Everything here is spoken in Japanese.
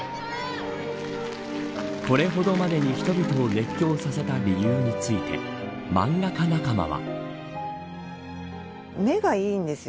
これほどまでに人々を熱狂させた理由について漫画家仲間は。